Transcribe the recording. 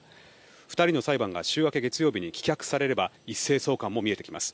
２人の裁判が週明け月曜日に棄却されれば一斉送還も見えてきます。